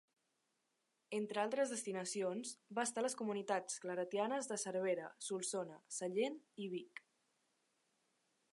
Entre altres destinacions va estar a les comunitats claretianes de Cervera, Solsona, Sallent i Vic.